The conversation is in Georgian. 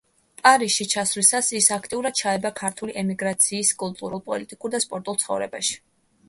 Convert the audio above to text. პარიზში ჩასვლისას ის აქტიურად ჩაება ქართული ემიგრაციის კულტურულ, პოლიტიკურ და სპორტულ ცხოვრებაში.